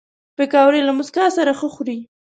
پکورې له موسکا سره ښه خوري